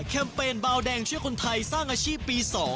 เปญบาวแดงช่วยคนไทยสร้างอาชีพปี๒